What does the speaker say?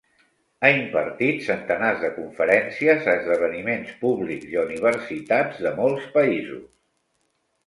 Ha impartit centenars de conferències a esdeveniments públics i a universitats de molts països.